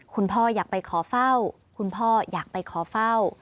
พ่ออยากไปขอเฝ้าคุณพ่ออยากไปขอเฝ้า